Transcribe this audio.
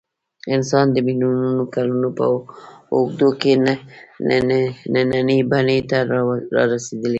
انسان د میلیونونو کلونو په اوږدو کې نننۍ بڼې ته رارسېدلی.